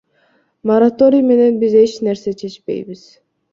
Мораторий менен биз эч нерсе чечпейбиз.